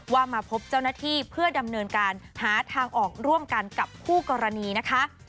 มาพบเจ้าหน้าที่เพื่อดำเนินการหาทางออกร่วมกันกับคู่กรณีนะคะ